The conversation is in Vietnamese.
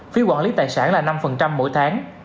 phí quản lý tài sản là năm mỗi tháng